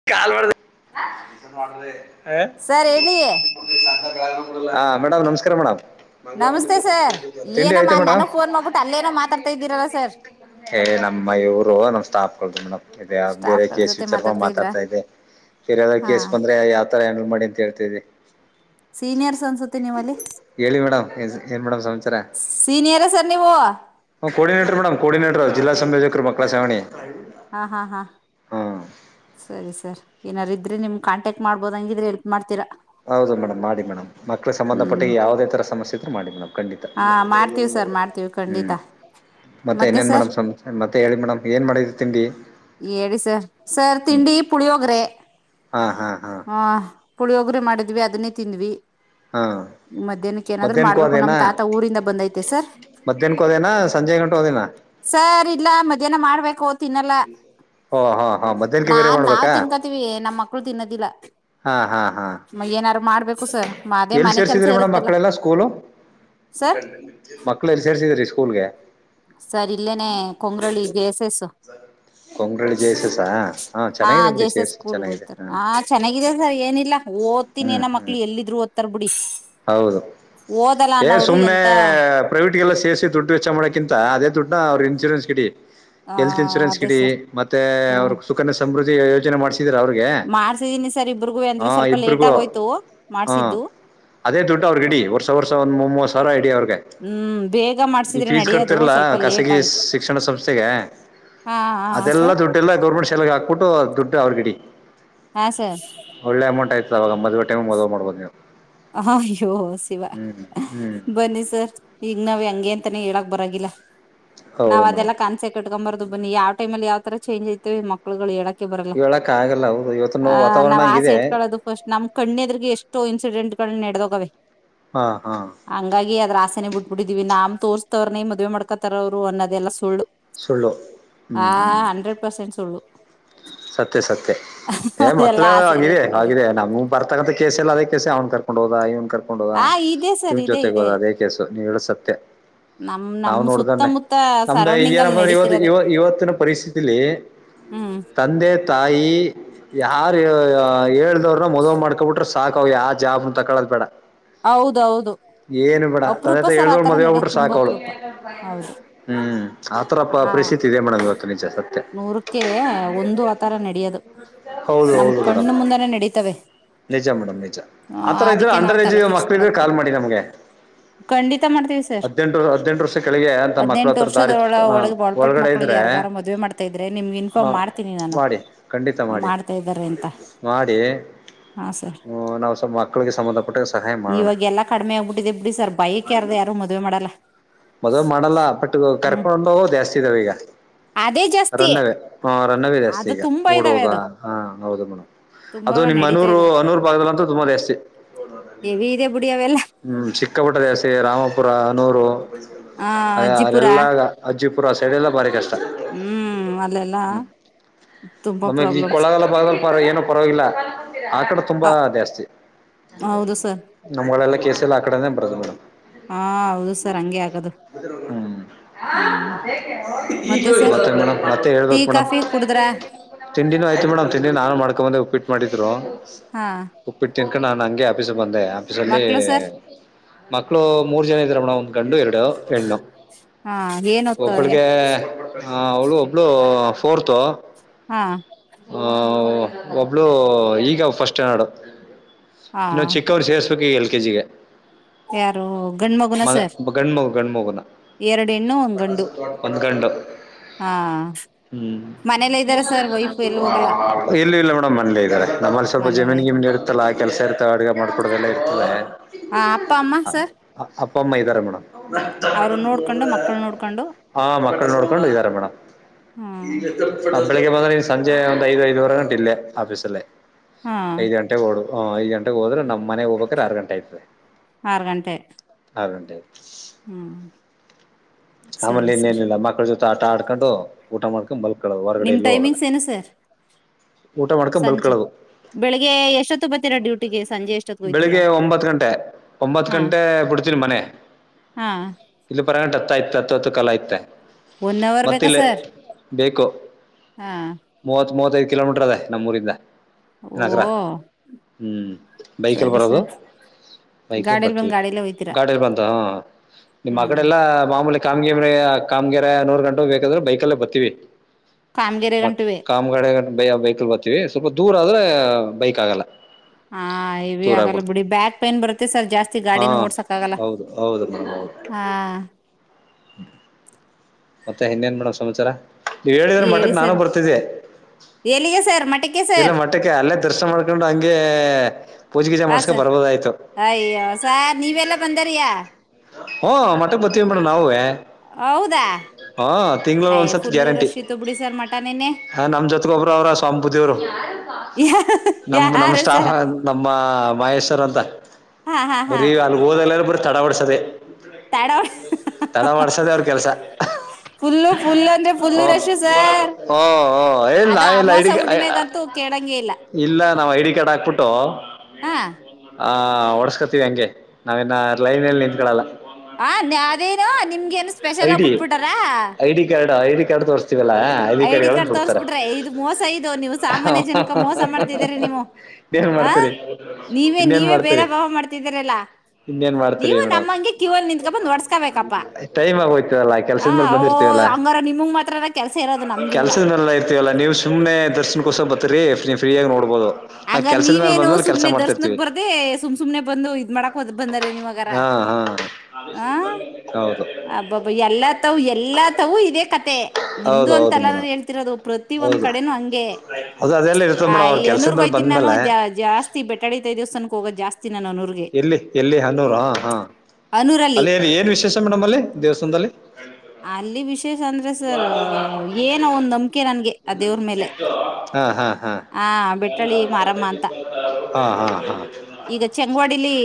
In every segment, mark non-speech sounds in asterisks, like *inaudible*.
*inaudible* *inaudible* Sir ಹೇಳಿ ಹಾ madam ನಮಸ್ಕಾರ ಮೇಡಮ್. ನಮಸ್ತೆ ಸರ್ ತಿಂಡಿ ಏನಮ್ಮ ಆಯ್ತಾ ಮೇಡಮ್ ನನಗ ಫೋನ್ ಮಾಡ್ಬಿಟ್ಟು ಅಲ್ಲೇನೋ ಮಾತಾಡ್ತಾ ಇದ್ದೀರಲ್ಲ ಸರ್. ಹೇ ನಮ್ಮ ಇವರು ನಮ್ ಸ್ಟಾಫ್ ಗಳು ಮೇಡಮ್ ಬೇರೆ ಸ್ಟಾಫ್ಗಳ ಕೇಸ್ ಜೊತೆ ವಿಚಾರ ಮಾತಾಡ್ತಾ ಇದ್ರಾ ಮಾತಾಡ್ ತ ಇದೆ ಏನರ ಹಾ ಕೇಸ್ ಬಂದ್ರೆ ಯಾವ್ ತರ ಹ್ಯಾಂಡಲ್ ಮಾಡಿ ಅಂತ ಹೇಳ್ತ ಇದ್ದೆ. ಸೀನಿಯರ್ಸ್ ಅನ್ಸುತ್ತೆ ನೀವಲ್ಲಿ ಹೇಳಿ ಮೇಡಮ್ ಎನ್ ಏನ್ ಮೇಡಮ್ ಸಮಾಚಾರ. ಸೀನಿಯರ ಸರ್ ನೀವು. ಹ್ಮ್ ಕೊರ್ಡಿನೆಟರ್ ಮೇಡಮ್ ಕೊರ್ಡಿನೆಟರ್ ಜಿಲ್ಲಾ ಸಂಯೋಜಕರು ಮಕ್ಕಳ ಸಹಾಯ ವಾಣಿ. ಹಾ ಹಾ ಹಾ. ಸರಿ ಸರ್ ಏನಾರ ಇದ್ರೆ ನಿಮ್ ಕಾಂಟ್ಯಾಕ್ಟ್ ಮಾಡ್ಬೋದ ಹಂಗಿದ್ರೆ ಹೆಲ್ಪ್ ಮಾಡ್ತೀರಾ. ಹೌದು ಮೇಡಮ್ ಮಾಡಿ ಮೇಡಮ್ ಮಕ್ಕಳಿಗೆ ಸಂಬಂಧಟ್ಟ ಹ್ಮ್ ಯಾವುದೇ ತರ ಸಮಸ್ಯ ಇದರು ಮಾಡಿ ಮೇಡಮ್. ಖಂಡಿತ ಹಾ ಮಾಡ್ತೀವಿ ಸರ್ ಮಾಡ್ತೀವಿ ಖಂಡಿತ ಹ್ಮ್ ಮತ್ ಮತ್ತೆ ಇನ್ನೇನ್ ಸರ್ ಮೇಡಂ ಸಮಾಚಾ ಮತ್ತೆ ಹೇಳಿ ಮೇಡಮ್ ಏನ ಮಾಡಿದ್ರಿ ತಿಂಡಿ. ಹೇಳಿ ಸರ್ ಸರ್ ಹ್ಮ್ ತಿಂಡಿ ಪುಳಿಯೋಗ್ರೆ ಹಾ ಹಾ ಹಾ ಹ್ಮ್. ಪುಳಿಯೊಗರೆ ಮಾಡಿದ್ವಿ ಅದನ್ನೇ ತಿಂದ್ವಿ. ಹಾ ಮಧ್ಯಾಹ್ನಕ್ಕೆ ಏನಾದ್ರು ಮಧ್ಯಾಹ್ನಕ್ಕೂ ಮಾಡ್ಬೇಕು ನಮ್ ತಾತ ಊರಿಂದ ಬಂದೈತೆ ಸರ್. ಮಧ್ಯಾಹ್ನಕ್ಕೂ ಹೋದೇನಾ ಸಂಜೆ ಗಂಟು ಹೋದೇನಾ. ಸರ್ ಇಲ್ಲ ಮಧ್ಯಾಹ್ನ ಮಾಡ್ಬೇಕು ತಿನ್ನಲ್ಲಾ. ಓ ಹಾ ಹಾ ಮಧ್ಯಾಹ್ನಕ್ಕೆ ಬೇರೆ ಮಾಡ್ಬೇಕಾ. ತಿವಿ ನಮ್ಮ ಮಕ್ಳು ತಿನ್ನೋದಿಲ್ಲ. ಹಾ ಹಾ ಹಾ ಏನಾರು ಮಾಡ್ಬೇಕು ಸರ್ ಅದೇ ಎಲ್ಲಿ ಮನೆ ಕೆಲ್ಸ ಸೇರ್ಸಿದ್ರಿ ಮೇಡಮ್ ಇರುತ್ತಲ್ಲ ಮಕ್ಕಳೆಲ್ಲಾ ಸ್ಕೂಲು. ಸರ್ ಮಕ್ಳ ಎಲ್ಲಿ ಸೇರ್ಸಿದ್ರಿ ಸ್ಕೂಲ್ಗೆ. ಸರ್ ಇಲ್ಲೇನೆ Kongralli J S S. Kongralli J S S. ಹಾಂ ಹಾ ಚೆನ್ನಾಗಿದೆ ಬಿಡಿ ಜೇಸ ಎಸ್ ಸೇರಿಸಿ ಚೆನ್ನಾಗಿದೆ ಹಾಂ ಸ್ಕೂಲ್ಗೋಯ್ತಾರಾ ಚೆನ್ನಾಗಿದಾಗಿದೆ ಸರ್ ಏನಿಲ್ಲ ಹ್ಞೂ ಓದ್ತಿನಿನ ಮಕ್ಳು ಹ್ಞೂ ಎಲ್ಲಿದ್ರು ಓದ ತರಬಡಿ ಹೌದು ಏ ಸುಮ್ನೆ ಎಂತ ಪ್ರೈವೇಟಗೆಲ್ಲ ಸೇರಿಸಿ ದುಡ್ಡು ವೆಚ್ಚ ಮಾಡೋಕ್ಕಿ ಅದೇ ದುಡ್ನ ಅವ್ರ ಇನ್ಶೂರೆನ್ಸ ಗಿಡಿ. ಆ ಎಲ್ತ್ ಇನ್ಶೂರೆನ್ಸ್ ಅದೇ ಗಿಡಿ ಸರ್ ಮತ್ತೆ ಅವ್ರ ಹ್ಮ್ ಸುಖನ ಸಮೃದ್ಧಿ ಯೋಜನೆ ಮಾಡ್ಸ ಅವ್ರಿಗೆ ಮಾಡ್ಸಿದೀನಿ ಸರ್ ಇಬ್ರಗುವೆ ಹ ಅಂದ್ರೆ ಸ್ವಲ್ಪ ಲೇಟ್ ಇಬ್ರಗೂ ಆಗೋಯ್ತು ಹ ಮಾಡ್ಸಿದ್ದು ಅದೇ ದುಡ್ಡನ ಅವ್ರಿಗ ಇಡಿ ವರ್ಷ ವರ್ಷ ಒಂದ ಮೂ ಮೂವರು ಸಾವಿರ ಇಡಿ ಅವ್ರಿಗೆ ಹ್ಮ್ ಬೇಗ ಈ ಮಾಡ್ಸಿದ್ರೆ ಫೀಸ್ ನಡಿಯೋದು ಕಟ್ತಿರಲ್ಲ ಸ್ವಲ್ಪ ಲೇಟ್ ಖಾಸಗಿ ಆಯ್ತು ಶಿಕ್ಷಣ ಸಂಸ್ಥೆಗೆ ಹಾ ಹಾ ಅದೆಲ್ಲ ಸರ್ ದುಡ್ಡೆಲ್ಲ ಗೌರ್ಮೆಂಟ್ ಶಾಲೆಗೆ ಹಾಕ್ಬಿಟ್ಟು ದುಡ್ಡು ಅವ್ರ ಗಿಡಿ. ಹಾ ಸ ಒಳ್ಳೆ ಅಮೌಂಟ್ ಆಯ್ತ ಅವಾಗ ಮದುವೆ ಟೈಮ ಮದುವೆ ಮಾಡ್ಬೋದು ನೀವು. ಅಯ್ಯೋ ಶಿವ ಸವಾಯ ಹ್ಞೂ ಹ್ಞೂ ಬನ್ನ ಸ ಈಗ ನಾವ್ ಹೆಂಗೆ ಅಂತಾನೇ ಹೇಳಕ್ ಬರಗಿಲ್ಲ ಹೌದು ನಾವ್ ಅದೆಲ್ಲಾ ಮೇಡಮ್ ಕ ಕಟ್ಕೊಂಬಾರದು ಬನ್ನಿ ಯಾವ ಟೈಮ್ಅಲ್ಲಿ ಯಾವ ತರ ಚೇಜ್ ಐತೆ ಮಕ್ ಮಕ್ಕಳುಗಳ ಹೇಳಕ್ಕೆ ಬರಲ್ಲ ಹೇಳಕ್ ಆಗಲ್ಲ ಹೌದು ಇವತ್ತಿನ ಆ ವಾತಾವರಣ ನಾವ್ ಆಸೆ ಹಂಗಿದೆ ಇಟ್ಕೊಳ್ಳದು. ಫಸ್ಟ್ ನಮ ಕಣ್ಣದ್ರಗೆ ಎಷ್ಟೋ ಇನ್ಸಿಡೆಂಟ್ ಗಳ ನೆಡದೋಗವೆ. ಹಾ ಹಾ ಹಂಗಾಗಿ ಅದ್ರ ಆಸೆನೆ ಬಿಟ್ಬಟ್ಟಿದೀವಿ ನಾಮ್ ತೋರ್ಸ್ತವ್ರನೇ ಮದ್ವೆ ಮಾಡ್ಕೊತಾರ ಅವ್ರು ಅನ್ನೋದೆಲ್ಲ ಸುಳ್ಳು. ಸುಳ್ಳು ಹ್ಞೂ ಹಾ ಹ್ಞೂ ಹಂಡ್ರೆಡ್ ಪರ್ಸೆಂಟ್ ಸುಳ್ಳು. ಸತ್ಯ ಸತ್ಯ ಏ ಮಕ್ಳ ಅದೆಲ್ಲಾ ಆಸೆ ಎಲ್ಲ ಆಗಿದೆ ಹಾಗಿದೆ ಇಟ್ಕೊಂಡಿಲ್ಲ ಆಗಿದೆ ನಮ್ಮ ಬರ್ತಕ್ಕಂತ ಕೇಸ ಎಲ್ಲದೇಸ ಅವ್ ಕರ್ಕೊಂಡ ಹೋದ ಇವ್ ಕರ್ ನೋಡುವ ಆ ಇದೆ ಸರ್ ನಿವ್ ಇದೆ ಜೊತೆಗೆ ಇದೆ ಹೋದ ಅದೇ ಕೇಸು ನೀ ಹೇಳಸತ್ತ. ನಮ್ ನಾವ ನಮ್ ನೋಡ್ದಣೆ ಸುತ್ತಮುತ್ತ ನಮ್ದ ಈಗ ಸರೌಂಡಿಂಗ್ ಅಲ್ಲಿ ಏನಪ್ಪ ಅಂದ್ರೆ ನಡೀತಿರೋದೆ ಇವತ್ತು ಇವತ್ತಿನ ಪರಿಸ್ಥಿತಿಲಿ ಹ್ಮ. ತಂದೆ ತಾಯಿ ಯಾರ ಹೇಳ್ದವ್ರನ್ನ ಮದುವ ಮಾಡ್ಕೊಬಿಟ್ರೆ ಸ ತಕೊ ಯ ಜಾಬನ್ ತಕೊಳ್ಳೋದ ಬೇಡ. ಹೌದ ಹೌದು. ಏನು ಬೇಡ ತನ್ನತ್ತ ಹೇಳ್ದವಳು ಮದ್ವೆ ಆಗ್ಬಿಟರು ತುಂಬಾ ಸಾಕವ್ಳು ಅಪರೂಪ ಹೌದು ಹ್ಮ. ಆ ತರಪ್ಪ ಪರಿಸ್ಥಿತಿ ಇದೆ ಮೇಡಮ್ ಇವತ್ತು ನಿಜ ಸತ್ಯ. ಅಕೆ ಒಂದ ಆತರ ನಡಿಯೋದು ಹೌದು ನಮ ಹೌದು ಕಣ್ಣ ಮೇಡಮ್ ಮುಂದನೇ ನಡೀತವೆ. ನಿಜ ಮೇಡಮ್ ನಿಜ ಹ ಆತರ ಇದ್ರೆ ಅದಕ್ಕೆ ನಾವು ಅಂಡರ್ ಏಜ್ ತಲೆ ಮಕ್ಕಳ ಇದ್ರೆ ಕೆಡ್ಸ್ಕೊಳಕ್ ಹೋಗ ಕಾಲ್ ಮಾಡಿ ನಮ್ಗೆ ಖಂಡಿತ ಮಾಡ್ತೀವಿ ಸರ್ ಹದನೆಂಟ ವರ್ಷ ಹದ್ನೆಂಟ ವರ್ಷ ಕೆಳಗೆ ಅಂತ ಮಕ್ಕಳ ಹದ್ನೆಂಟು ಹತ್ರ ದಾರಿ ವರ್ಷದೊಳ ಅ ಒಳಗೆ ಒಳಪಟ್ಟ ಒಳಗಡೆ ಮಕ್ಳಿಗೆ ಇದ್ರೆ ಯಾರ್ಗಾರ ಮದ್ವೆ ಮಾಡ್ತಾ ಇದ್ರೆ ನಿಮ್ಗೆ ಹಾ ಇನ್ಫಾರ್ಮ್ ಮಾಡ್ತೀನಿ ನಾನು ಮಾಡಿ ಖಂಡಿತ ಮಾಡಿ ಮಾಡ್ತಾ ಇದ್ದಾರೆ ಅಂತ ಮಾಡಿ ಹಾ ಸರ್ ಹ್ಮ ನಾವ್ ಸ ಮಕ್ಕಳಿಗೆ ಸಂಬಂಧ ಕಟ ಸಹಾಯ ಮಾಡೋಣ ಇವಾಗ ಎಲ್ಲ ಕಡಿಮೆ ಆಗ್ಬಿಟ್ಟಿದೆ ಬಿಡಿ ಸರ್ ಬೈಕ್ ಯಾರ ಯಾರದು ಮದ್ವೆ ಮಾಡಲ್ಲ. ಮದ್ವೆ ಮಾಡಲ್ಲ ಬಟ್ ಹ್ಮ್ ಕರ್ಕೊಂಡ ಜಾಸ್ತಿ ಇದ್ದಾವ ಈಗ ಅದೇ ಜಾಸ್ತಿ ಅರನ್ನವೇ ಹ ರನ್ನವೇ ಜಾಸ್ತಿ ಅದು ಈಗ ತುಂಬಾ ಇದಾವೆ ಓಡುವದ ಅದು ಹ ಹೌದು ಬಿಡು ಅದು ತುಂಬಾವ ನಿಮ್ಮ್ ನಡೀತಾ ಅನೂರು ಇದಾವೆ ಅನೂರು ಗಲ್ಲ ಅಂತ ತುಂಬಾ ಜಾಸ್ತಿ. ಎವಿ ಇದೆ ಬಿಡಿ ಅವೆಲ್ಲ ಹ್ಮ ಚಿಕ್ಕಪುಟ್ಟ ದೇಸಿ ರಾಮಪುರ ಅನೂರು ಆ ಅಜ್ಜಿಪುರ ಅರೆಲ್ಲಾ ಅಜ್ಜಪುರ ಸೈಡ ಎಲ್ಲ ಬಾರಿ ಕಷ್ಟ. ಹ್ಮ ಅ ಹ್ಮ ನಮ ಜಿ ಪ್ರಾಬ್ಲಮ್ಸ್ ಕೊಲಗಾಲ ಪಲ್ ಏನ ಪರವಾಗಿಲ್ಲ ಆಟ ಕಡೆ ಹ ತುಂಬಾ ಜಾಸ್ತಿ. ಹೌದು ಸರ್ ನಮ್ಗಳಲ್ಲ ಕಸ ಎಲ್ಲ ಆ ಕಡೆನ ಬರದು ಮೇಡಮ್ ಹಾ ಹೌದು ಸರ್ ಹಂಗೆ ಆಗದು ಹ್ಮ್ ಹ್ಮ್ ಮತ್ತೆ ಮ ಮತ್ತೆ ಟೀ ಹೇಳ್ಬೇಕು ಮೇಡಮ್ ಕಾಫಿ ಕುಡುದ್ರ ತಿಂಡಿನೂ ಆಯ್ತು ಮೇಡಮ್ ತಿಂಡಿ ನಾನು ಮಾಡ್ಕೊಂಬಂದೆ ಉಪ್ಪಿಟ್ಟು ಮಾಡಿದ್ರು ಹಾ ಉಪ್ಪಿಟ್ಟತನ್ಕ ನಾನನ್ ಹಂಗೆ ಆಫೀಸ್ ಬಂದೆ ಆಫೀಸಲ್ಲಿ ಮಕ್ಳು ಸರ್ ಮಕ್ಕಳು ಮೂರ್ ಜ ಇದ್ರಣ ಒ್ ಗಂಡು ಎರಡು ಹೆ್ಣು ಹಾ ಏನ್ ಓದ್ತವ್ರೆ ಒಬ್ಬಳಿಗೆ ಅವಳು ಒಬ್ಬಳು ಕೊರ್ತ ಹಾ ಆ ಒಬ್ಳು ಈಗ ಫಸ್ಟ್ ನಡು ಹಾ ಇನ್ನೊಂದು ಚಿಕ್ಕವ್ರು ಸೇಸ್ಬೇಕು ಎಲ್ ಕೆ ಜಿಗೆ ಯಾರು ಗಂಡ ಮಗುನ ಸರ್ ಗಂಡ್ಮಗು ಗಣ್ಮಗುನ ಎರಡು ಹೆಣ್ಣು ಒಂದ್ ಗಂಡು ಗಂಡ ಹಾ ಹ್ಮ್ ಮನೇಲ್ಲ ಇದ್ದಾರೆ ಸರ್ ವೈಫ್ ಎಲ್ಲಿ ಹೋಗಲ್ಲ ಇಲ್ಲ ಇಲ್ಲ ಮೇಡಮ್ ಮನಲೇ ಇದ್ದಾರೆ ನಮ್ಮಲ್ಲಿ ಸ್ವಲ್ಪ ಮನೇಲ್ಲ ಜಮೀನ್ ಗಿಮಿನ ಇದ್ದಾರೆ ಇ ಇಲ್ಲ ಆ ಕೆಲಸ ಇರ್ತವೆ ಅಡುಗೆ ಮಾಡ್ಕೊಡದೆಲ್ಲ ಇರ್ತದೆ ಹ ಅಪ್ಪ ಅಮ್ಮಾ ಸರ್ ಅಪ್ಪ ಅಮ್ಮ ಇದ್ದಾರೆ ಮೇಡಮ್ ಅವರು ನೋಡ್ಕೊಂಡು ಮಕ್ಕಳು ನೋಡ್ಕೊಂಡು ಹಾ ಮಕ್ಳು ನೋಡ್ಕೊಂಡು ಇದ್ದಾರೆ ಮೇಡ ಹಾ ಆ ಬೆಳಗ್ಗೆ ಬಂದ್ರೆ ನೀನ್ ಸಂಜೆ ಒಂದ್ ಐದು ಐದುವರೆ ಗಂಟ ಇಿಲ್ಲೆ ಆಫೀಸಲ್ಲೇ ಹಾ ಐದು ಗಂಟೆ ಗ ಓಡು ಹ ಐದುಂಟೆಗೆ ಹೋದ್ರ ನಮ್ಮ ಮನೆಗೆ ಹೋಗಬೇಕಕ್ರ ಆರು ಗಂಟ ಆಯತದೆ ಆರು ಗಂಟೆ ಹದಟೆ ಹ್ಮ್ ಆಮೇಲೆ ಸರಿ ಸರ್ ಇನ್ನೇನಿಲ್ಲ ಮಕ್ಕಳ ಜೊತೆ ಆಟ ಆಡ್ಕೊಂಡು ಊಟ ಮಾಡ್ಕೊಂಡು ಮಲ್ಕಳದು ಹೊರಗಡೆ ನಿಮ್ ಎಲ್ಲೂ ಹೋಗಲ್ಲ ಟೈಮಿಂಗ್ಸ್ ಏನು ಸರ್ ಊಟ ಮಾಡ್ಕೊಂಡ ಸಂಜೆ ಮಲ್ಕಳೋದು ಬೆಳಿಗ್ಗೆ ಎಷ್ಟೊತ್ತು ಬರ್ತೀರಾ ಡ್ಯೂಟಿಗೆ ಸಂಜೆ ಎಷ್ಟೊತ್ತು ಹೋಯ್ತೀರಾ ಬೆಳಿಗ್ಗೆ ಒಂಬತ್ ಗಂಟೆ ಒಂಬತ್ ಹಾ ಗಂಟೆ ಬಿಡ್ತ ಮೆ ಹಾ ಇಲ್ಲಿ ಪರಂಗ ಹತ್ತ ಆಯತ ಅತ್ತವತ್ತು ಕಾಲ ಐತೆ ಒನ್ ಅವರ್ ಮತ್ತ ಬೇಕಾ ಇಲ್ಲ ಸರ್ ಬೇಕು ಹಾ ಮೂವತ್ ಮೂವತ್ತೈದು ಕಿಲೋಮೀಟರ್ ಅದೇ ನಮ್ಮೂರಿಂದ ನಗರ ಓಹ ಹ್ಮ್ ಬೈಕ್ ಎಲ್ ಸರಿ ಬರೋದು ಸರ್ ಬೈಕ್ಲ್ಲಿ ಗಾಡಿಯಲ್ಲಿ ಬಂದ್ ಬರ್ತವಿ ಗಾಡಿಯಲ್ಲೇ ಹೋಯ್ತೀರಾ ಗಾಡಿಯಲ್ಲಿ ಬಂತ ನಿಮ್ಮ್ ಅ ಹ್ಮ್ ಕಡೆ ಎಲ್ಲಾ ಮಾಮೂಲಿ ಕಾಮಗಿರಿ ಕಾಮಗೆರ ನೂರು ಗಂಟೆೆಗೆ ಬೇಕಾದ್ರೆ ಬೈಕಲ್ಲೇ ಬರ್ತೀವಿ ಕಾಮಗೆರೆ ಗಂಟುವೆ ಮಟ್ಟಾಮ ನಮ್ಮ್ ಕಡೆ ಬ ಬೈಕಲ್ ಬರ್ತೀವಿ ಸ್ವಲ್ಪ ದೂರ ಆದ್ರೆ ಬೈಕ್ ಆಗಲ್ಲ ಹಾ ಇವಿ ದೂರ ಆಗಲ್ಲ ಆಗ್ಬಿಡ್ತು ಬಿಡಿ ಬ್ಯಾಕ್ ಪೈನ್ ಬರುತ್ತೆ ಸರ್ ಜಾಸ್ತಿ ಹಾ ಗಾಡಿನ ಓಡ್ಸಕ್ ಆಗಲ್ಲ ಹೌದು ಹೌದು ಮ್ಯಡ್ ಹಾಂ ಹ್ಮ ಮತ್ತೆ ಇನ್ನೇನ್ ಮೇಡಮ್ ಸಂಚಾರ ನೀವ್ ಹೇಳಿದ್ರೆ ಹೇಳಿ ಮಠಕ್ ನಾನು ಸರ್ ಬರ್ತಿದ್ದೆ ಎಲ್ಲಿಗೆ ಸರ್ ಮಠಕ್ಕೆ ಇಲ್ಲ ಸರ್ ಮ ಟ್ಟಕ್ಕೆ ಅಲ್ಲೇ ದರ್ಶನ ಮಾಡ್ಕೊಂಡು ಹಂ ಪೂಜೆಗೀಜೆ ಹಾ ಮಾಡ್ಸ್ಕೊಂಡ ಸರ್ ಬರಬೋದಾಗಿತ್ತು ಅಯ್ಯೋ ಸ ನೀವೆಲ್ಲ ಬಂದಾರಯಾ ಓ ಮಟ್ಟಕ್ ಬರ್ತೀವಿ ಮೇಡಮ್ ನಾವೇ ಹೌದಾ ಹಾ ತಿಂಗಳ ಅಯ್ ಒಂದ್ಸತ್ ಫುಲ್ಲು ಗ್ಯಾರಂಟಿ ರಶ್ ಇತ್ತು ಬಿಡಿ ಸರ್ ಮಠ ನೆನ್ನೆ ಹಾಂ ನಾಮ ಜೋತಗಬರು ಅವರಾ ಸ್ವಾಮಪೂಜಿಯವರು ನಮ ನಮ್ಮ್ ಯಾರು ಸ್ಟಾಫ ಸರ್ ನಮ್ಮ ಮಹೇಶ್ವರ್ ಅಂತ ಹಾ ಹಾ ಹಾ ಹೋದಲೆಲ್ಲಾ ತಡೆ ಹೊಡ್ಸದೆೇ ತಡ ತಡೇ ಹೊಡಿಡ್ಸದೆೇ ಅವ್ರ ಕೆಲಸ ಫುಲ್ಲು ಫುಲ್ ಅಂದ್ರೆ ಹ ಫುಲ್ಲು ಹ ರಶ್ ಹ. ಸರ್ *unintelligible* ಕೆಳಂಗೆಯಿಲ್ಲ. ಇಲ್ಲ ನಾವ್ ಐಡಿ ಕಾರ್ಡ್ ಹಾಕ್ಬಿಟ್ಟು. ಹಾ ಆ ಡ್ಸ್ಕೋತಿವಿ ಹಂಗೆ ನಾವೇನ್ನ ಲೈನ್ಲ್ಲಿ ನಿಂತ್ಕಳಲ್ಲ. ಹ ಅದೇನು ನಿಮ್ಗೇನು ಸ್ಪೆಷಲ್ಹಾಗಿ ಐಡಿ ಬಿಟ್ಬಿಟಾರ. ಐಡಿ ಕಾರ್ಡ್ ಐಡಿ ಕಾರ್ಡ್ ತೋರಿಸು ಚಿದಲ ಐ ಅಕರಿ ಡಿ ಕಾರ್ಡ್ ಹುಡ್ತಾರ ತೋರಿಸ್ಬಿಟ್ರೆ ಇದು ಮೋಸ ಇದು ನೀವು ಹ ಸಾಮಾನ್ಯ ಹ ಜನಕ್ಕೆ ಹ ಮೋಸ ಮಾಡ್ತಿದ್ದೀರಿ ಹ. ನೀವು ಇನ್ನೇನ್ ಆ ಮಾಡ್ತರಿ ನೀವೇ ಇನ್ನೇನ್ ನೀವೇ ಭೇದ ಮಾಡ್ತರಿ ಭಾವ ಮಾಡ್ತಿದ್ದೀರಲ್ಲ ಇನ್ನೇನ್ ಮಾಡ್ತರಿ ನೀವು ಮೇಡಂ ನಮ್ಮಂಗೆ ಕ್ಯೂ ಅಲ್ಲಿ ನಿಂತ್ಕೊಂಡ್ಬಂದು ಒಡ್ಸ್ಕೋಬೇಕಪ್ಪ ಟೈಮ್ ಆಗೋಯ್ತವಲ್ಲಾ ಆ ಕೆಲ್ಸದ ಮೇಲ್ ಓ ಬಂದಿರ್ತವಲ್ಲ. ಹಂಗಾರ ನಿಮಗ್ ಮಾತ್ರ ಕೆಲಸ ಇರೋದು ನಮ್ಗಿಲ್ವಾ ಕೆಲ್ಸದನೆೆಲ್ಲ ಇರ್ತವಲ್ಲಾ ನೀವು ಸುಮ್ನೆ ದರ್ಶನ್ಕೋಸ್ಕ ಬರ್ರಿ ನೀವು ಫ್ರೀಯಗಿ ನೋಡ್ಬೋದು. ನಾ ಆಂಗಾರ ಕೆಲ್ಸದ ಮೇಲೆ ನೀವೇನು ಬಂದ್ಮೇಲೆ ಕೆಲ್ಸ ಸುಮ್ನೆ ದರ್ಶನಕ್ ಮಾಡ್ತಿರ್ತೀವಿ ಬರ್ದೆ ಸುಮ್ ಸುಮ್ನೆ ಬಂದು ಇದ್ ಮಾಡಕ್ ಹದ್ ಬಂದಾರ ನಿವ್ಗರ. ಹಾ ಹಾ *inaudible* ಹ ಹೌದು ಅಬ್ಬಬ್ಬ ಎಲ್ಲ ತವು ಎಲ್ಲಾ ತವು ಇದೇ ಕತೆೆ ನಿಮ್ದು ಹೌದು ಅಂತೆ ಹೌದು ಎಲ್ಲ ಮೇಡಮ್ ಹೇಳ್ತಿ ರೋದು ಪ್ರತಿ ಒಂದ್ ಹೌದು ಕಡೆನುೂ ಹಂಗೆ. ಅದು ಅದೆಲ್ಲ ಇರ್ತ ಆ ಮೇಡಂಮ್ ಅವ್ರ ಈ ಅನೂರ್ಗ್ ಕೆಲ್ಸಿಂದ ಬ ನಾನು ಜಾಸ್ತಿ ಬೆಟ್ಟಹಳ್ಳಿ ತಾಯಿ ದೇವಸ್ಥಾನಕ್ಕೆ ಹೋಗೋದು ಜಾಸ್ತಿ ನಾನು ಹನೂರಿಗೆ ಎಲ್ಲಿ ಎಲ್ಲಿ ಹನೂರ ಹಾಂ ಹಾಂ ಅನೂರಲ್ಲಿ ಅಲ್ಲಿ ಎಲ್ಲಿ ಏನು ವಿಶೇಷ ಮೇಡಮ್ ಅಲ್ಲಿ ದೇವಸ್ಥಾನದಲ್ಲಿ ಅಲ್ಲಿ ವಿಶೇಷ ಅಂದ್ರೆ ಸರ್ ಏನ ಒಂದ ನಂಬಿಕೆ ನನ್ಗೆ ಆ ದೇವ್ರ ಮೇಲೆ. ಹಾ ಹಾ ಹಾ ಬೆಟ್ಟಳ್ಳಿ ಮಾರಮ್ಮ ಅಂತ. ಹಾ ಹಾ ಹಾ ಈಗ ಚಂಗ್ವಾಡಿಲಿ.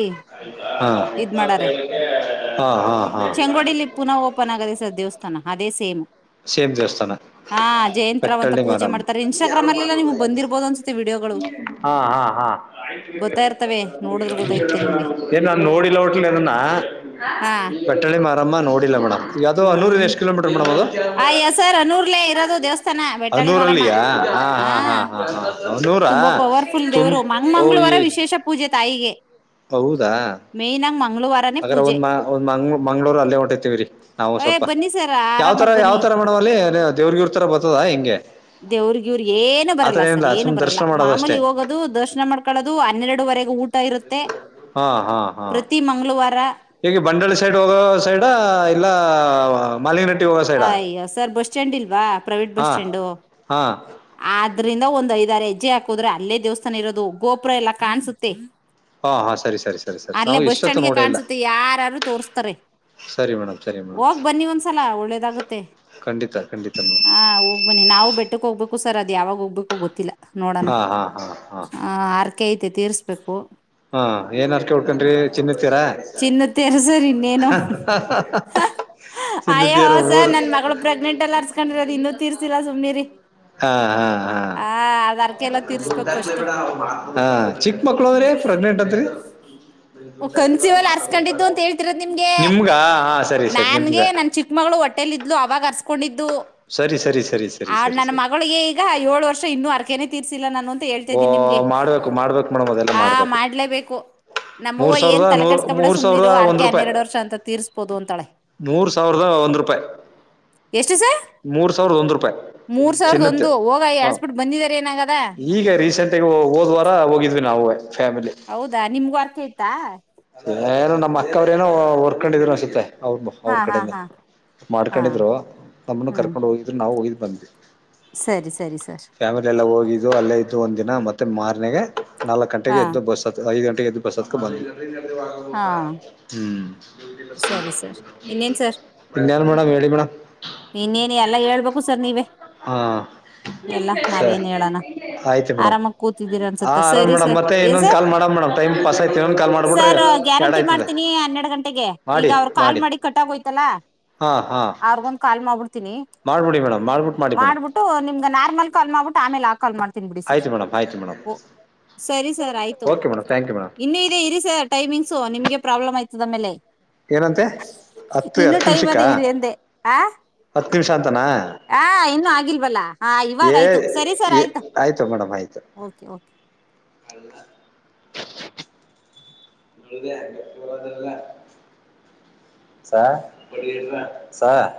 ಹಾ ಹಾ ಹಾ ಹಾ. ಬೆಂಗೋಡಿಲಿ. ಪುನಃ ಓಪನ್ ಆಗದೆ ಸರ್ ದೇವಸ್ಥಾನ ಅದೇ ಸೇಮ್. ಸೇಮ್ ಜೇಷ್ಠಾನ ಹಾ ಜಯಂತರಾವ್ ಅಂತ ಬೆಟ್ಟೊಳ್ಳಿ ಮಾರ ಪೂಜೆ ಮಾಡ್ತಾರೆ ಇನ್ಸ್ಟಾಗ್ರಾಮ್ ಅಲ್ಲೆಲ್ಲ ನಿಮ್ಗ್ ಬಂದಿರ್ಬೋದು ಅನ್ಸುತ್ತೆ ವಿಡಿಯೋಗಳು ಹಾ ಹಾ ಹಾ ಬರ್ತಾ ಇರ್ತವೆ ನೋಡಿದ್ರೆ ಗೊತ್ತಾಯ್ತೆ ನಿಮ್ಗೆ ಏನ್ ನು ನೋಡಿಲ್ಲ ಒಟ್ಲನ್ನಟ್ಟ. ಹಾ ಚಳಿ ಮಾರಮ್ಮ ನೋಡಿಲ್ಲ ಮೇಡ್ ಯವುದೋ ಅರಿ ಹ್ಮ್ ಎಷ್ಟು ಕಿಲೂಮೀಟರ್ ಮೇಡ್ ಅದು. ಆ ಎಸರ್ ಅನೂರ್ಲ ಇರೋದು ದೇವಸ್ಥಾನ ಬೆಟ್ಟಾಳಿ ಮರಮ್ಮ ಹನೂರಲ್ಲಿಯಾ ಹಾ. ಹಾ ಹಾ ಹನೂರಾ ತುಂಬಾ ಪವರ್ಫುಲ್ ತುಮ್ ದೇವ್ರು ಮಂಗ ಓ ಮಂಗಳವಾರ ವಿಶೇಷ ಪೂಜೆ ತಾಯಿಗೆ. ಹೌದ? ಮೇಯ ನ್ ಮಂಗಳವಾರ. ಅಗಾರ ಒಂದ್ ಒಂದ್ ಮಂಗಳೂರು ಅಲ್ಲೇ ಹೊಂಟತಿವಿರಿ ನಾವು ಏ ಸ್ವಲ್ಪ ಬನ್ನಿ ಸರ್ ಯಾವ್ ತರ. ಆರಾಮಾಗ್ ಯಾವ ಬನ್ನಿ ತರ ಮಾಡೋವ ದೇವ್ರಗಿವ್ರ ತರ ಬತ್ತದ ಹೆಂಗೆ. ದೇವ್ರಿಗೆ ಇವ್ರ ಏನು ಬರಲ್ಲ ಆತರ ಸರ್ ಏನಿಲ್ಲ ಏನು ಸುಮ್ ಬರಲ್ಲ ದರ್ಶನ ಮಾಡೋದಷ್ಟೇ ಮಾಮೂಲಿ ಹೋಗೋದು ದರ್ಶನ ಮಾಡ್ಕ. ಕಳದು ಹನ್ನೆರಡುವರೆಗೆ ಊಟ. ಇರುತ್ತೆ ಹಾ ಹಾ ಹಾ ಪ್ರತಿ ಮಂಗಳವಾರ. ಈಗ ಬಂಡಳಿ ಸೈಡ್ ಹೋಗೋ ಸೈಡ ಇಲ್ಲ. *unintelligible* ಅಯ್ಯೋ ಸರ್ ಬಸ್ ಸ್ಟ್ಯಾಂಡ್ ಇಲ್ವಾ ಪ್ರೈವೇಟ್ ಬಸ್ ಹಾ ಸ್ಟ್ಯಾಂಡು. ಹಾ ಆದ್ರಿಂದ ಒಂದ್ ಐದಾರು ಹೆಜ್ಜೆ ಹಾಕುದ್ರೆ ಅಲ್ಲೇ ದೇವಸ್ಥಾನ ಇರೋದು ಗೋಪುರ ಎಲ್ಲಾ ಕಾಣ್ಸುತ್ತೆ ಹಾ ಹಾ ಸರಿ ಸರಿ ಸರಿ ಸರಿ ಅಲ್ಲೇ ನಾವು ಬಸ್ ಇಷ್ಟೊತ್ತು ಸ್ಟ್ಯಾಂಡ್ಗೆ ನೋಡೇ ಇಲ್ಲ ಕಾಣ್ಸುತ್ತೆ ಯಾರಾರು ತೋರ್ಸ್ತಾರೆ. ಸರಿ ಮೇಡಮ್ ಸರಿ ಮೇಡಮ್ ಹೋಗ್ ಬನ್ನಿ ಒಂದ್ಸಲ ಒಳ್ಳೇದಾಗ್ಲಿ. ಆಗುತ್ತೆ ಖಂಡಿತ ಖಂಡಿತ ಮೇಡಮ್ ಹೋಗ್ಬನ್ನಿ ನಾವು ಬೆಟ್ಟಕ್ ಹೋಗ್ಬೇಕು ಸರ್ ಅದ ಯಾವಾಗ ಹೋಗ್ಬೇಕು ಗೊತ್ತಿಲ್ಲ. ನೋಡೋಣ ಹಾ ಹಾ ಹಾ ಹಾ ಹರಕೆ ಐತೆ ತೀರ್ಸ್ಬೇಕು. ಹಾ ಏನ್ ಹರಿಕೆ ಹ್ಮ್ ಹೊತ್ತಿಕೊಂಡ್ರಿ ಚಿನ್ನದತೇರ. ಚಿನ್ನ ತೀರ್ಸರ್ ಇನ್ನೇನು ಅಯ್ಯೋ ಚಿನ್ನದಂತೆರು ಸರ್ ನನ್ ಮಗಳು ಪ್ರೆಗ್ನೆಂಟ್ ಅಲ್ಲಿ ಹರಾಸಿಕೊಂಡಿರೋದು ಅದು ಇನ್ನುೂ ತೀರಿಸಿಲ್ಲ ಸುಮ್ನೆರೀ. ಹಾ ಹಾ ಹಾ ಎಲ್ಲ ತೀರ್ಸ್ಬೇಕ್ ಫಸ್ಟ್ ಚಿಕ್ಕ ಮಕ್ಕ್ಳು ಹ್ಮ್ ಪ್ರೆಗ್ನೆಟ್ ಅಂದ್ರಿ ಕನ್ಸಿವಲ್ ಹರ್ಸ್ಕೊಂಡಿದ್ದು ಅಂತ ಹೇಳ್ತಿರೋದು ನಿಮಗೆ ನಿಮ್ಗ ಹಾ ಸರಿ ಸರಿ ನಿಮ್ಗ ನನ್ಗೆ ನನ್ ಚಿಕ್ಕ ಚಿಕ್ಕ ಮಗಳು ಹೊಟ್ಟೆಲ್ಲಿ ಇದ್ಲು ಅವಾಗ ಹರ್ಸ್ಕೊಂಡಿದ್ದು ಸರಿ ಸರಿ ಸರಿ ಸರಿ ಸರಿ ಸರಿ ಈಗ ಏಳು ವರ್ಷ ಇನ್ನುೂ ಅರ್ಕೆನೆ ತೀರಿಸಿಲ್ಲ ನಾನು. ಹೇಳ್ತಾ ಓ ಇದ್ದೀನಿ ನಿಮ್ಗೆ ಮಾಡ್ಬೇಕು ಮಾಡ್ಬೇಕು ಮೇಡಮ್ ಅದೆಲ್ಲ ಆ ಮಾಡ್ಬೇಕು ಮಾಡ್ಲೇಬೇಕು ನಮ್ಮ ಮೂರ್ ಅವ್ವಾ ಏನ್ ಸಾವಿರದ ನೂರ್ ತಲೆಕೆಡಿಸ್ಕೊಬೇಡ ಮೂರ್ ಸುಮನೇರು ಸಾವಿರದ ಅರ್ಕೆ ಹನ್ನೆರಡು ವರ್ಷ ಅಂತ ತೀರ್ಸ್ಬೋದು ಅಂತಳೆ. ನೂರು ಸಾವಿರದ ಒಂದ್ ರೂಪಾಯಿ ಎಷ್ಟು ಸರ್ ಮೂರ್ ಸಾವಿರದ ಒಂದ್ ರೂಪಾಯಿ ಮೂರ್ ಸಾವಿರದ ಚಿನ್ನತ್ತೆ ಒಂದು ಹೋಗ ಹ ಎಳ್ಸ್ಬಿಟ್ಟು ಬಂದಿದಾರ ಏನಾಗದ. ಈಗ ರೀಸೆಂಟ್ಗ ಹೋದ ವಾರ ಹೋಗಿದ್ವಿ ನಾವು ಫ್ಯಾಮಿಲಿ. ಹೌದಾ ನಿಮ್ಗೂ ಅರ್ಕೆ ಇತ್ತ. ಏನೋ ನಮ್ಮ ಅಕ್ಕವ್ರ ಏನೋ ಹೊರ್ಕೊಂಡಿದ್ರು ಅನ್ಸುತ್ತೆ. ಅವರು ಅವ್ರ ಹಾ ಹಾ ಕಡೆನ ಹಾ ಹಾ ಮಾಡ್ಕೊಂಡಿದ್ರು ನಮ್ಮನ್ನು ಹ್ಮ್ ಕರ್ಕೊಂಡು ಹೋಗಿದ್ರು ನಾವು ಹೋಗಿದ್ವಿ ಬಂದ್ವಿ. ಸರಿ ಸರಿ ಸರ್ ಫ್ಯಾಮಿಲಿ ಎಲ್ಲ ಹೋಗಿದ್ದು ಅಲ್ಲೇ ಇದ್ದು ಒಂದು ದಿನ ಮತ್ತೆ ಮಾರನೆಗೆ ನಾಲ್ಕು ಗಂಟೆಗೆ ಹಾ ಇದ್ದು ಬಸ್. ಐದು ಗಂಟೆಗೆ ಎದ್ದು ಬಸ್ ಹತ್ತಿಕೊಂಡು ಬಂದ್ವಿ ಹಾ ಹ್ಮ್ ಸರಿ ಸರ್ ಇನ್ನೇನ್ ಇನೇನು ಮೇಡಂ ಹೇಳಿ ಮೇಡಂ. ಇನ್ನೇನ ಎಲ್ಲ ಹೇಳ್ಬೇಕು ಸರ್ ನೀವೇ. ಹಾ ಎಲ್ಲಾ ಸರಿ ನಾವೇನ್ ಹೇಳಣ ಆಯ್ತು ಮೇಡಮ್ ಆರಾಮಾಗ ಕೂತಿದ್ದೀರ ಹಾ ಅನ್ಸುತ್ತ ಆರಾಮ್ ಸರಿ ಮೇಡಮ್ ಸರ್ ಮತ್ತೆ ಏನ್ ಇನ್ನೊಂದ್ ಸರ್ ಕಾಲ್ ಮಾಡಮ್ ಮೇಡಮ್ ಟೈಮ್ ಪಾಸ್ ಆಯ್ತು ಇನ್ನೊಂದ್ ಕಾಲ್ ಮಾಡ್ಬಿಟ್ರೆ ಸರ್ ಎರಡ್ ಗ್ಯಾರಂಟಿ ಆಯ್ತದೆ ಮಾಡ್ತೀನಿ ಹನ್ನೆರಡು ಗಂಟೆಗೆ. ಈಗ ಅವ್ರರು ಕಾಲ್ ಮಾಡಿ ಕಟ್ಟಾಗೋಯ್ತಲ್ಲ. ಹಾ ಹಾ ಅವ್ರಗೊಂದ್ ಕಾಲ್ ಮಾಡ್ಬಿಡ್ತೀನಿ. ಮಾಡ್ಬಿಡಿ ಮೇಡಮ್ ಮಾಡ್ಬಿಟ್ಟು ಮಾಡಿ ಮೇಡಮ್ ಮಾಡ್ಬಿಟ್ಟು ನಿಮ್ಗ ನಾರ್ಮಲ್ ಕಾಲ್ ಮಾಡ್ಬಿಟ್ಟು ಆಮೇಲೆ ಆ ಕಾಲ್ ಮಾಡ್ತೀನ್ ಬಿಡಿ ಸರ್. ಆಯ್ತು ಮೇಡಮ್ ಆಯ್ತು ಮೇಡಮ್ ಓ ಸರಿ ಸರ್ ಆಯ್ತು okay madam thank you madam ಇನ್ನುೂ ಇದೆ ಇರಿ ಸರ್. ಟೈಮಿಂಗ್ ನಿಮ್ಗೆ ಪ್ರಾಬ್ಲ್ ಆಯ್ತದೆ ಆಮೇಲೆ. ಏನಂತೆ ಹತ್ತು ಇನ್ನೂ ಹತ್ತು ಟೈಮ್ ನಿಮಿಷಕ್ಕ ಅದೇ ಇರಿ ಎಂದೆ ಹತ್ತು ನಿಮಿಷ ಅಂತಾನ. ಹ ಇನ್ನುೂ ಆಗಿಲ್ಬಲ್ಲಾ ಹಾ ಇವಾಗ ಆಯ್ತು ಸರಿ ಸರ್ ಆಯ್ತು *inaudible* *unintelligible* ಸರ್ ಸರ್